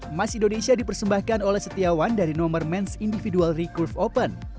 emas indonesia dipersembahkan oleh setiawan dari nomor ⁇ ns individual recurve open